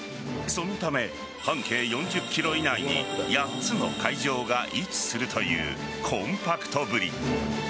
そのため半径４０ｋｍ圏内に８つの会場が位置するというコンパクトぶり。